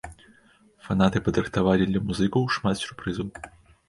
Фанаты падрыхтавалі для музыкаў шмат сюрпрызаў.